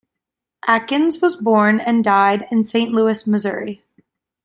Akins was born and died in Saint Louis, Missouri.